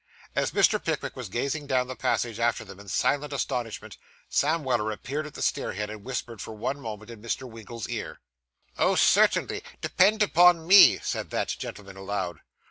As Mr. Pickwick was gazing down the passage after them in silent astonishment, Sam Weller appeared at the stair head, and whispered for one moment in Mr. Winkle's ear. 'Oh, certainly, depend upon me,' said that gentleman aloud.